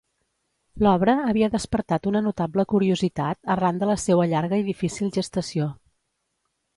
L'obra havia despertat una notable curiositat, arran de la seua llarga i difícil gestació.